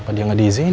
apa dia gak diizinin